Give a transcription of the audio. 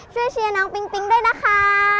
ช่วยเชียวน้องปิ้งปิ้งด้วยนะคะ